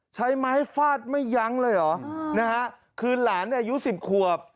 ใช้ไม้ฟาดไม่ยั้งเลยเหรอนะฮะคือหลานอายุสิบขวบ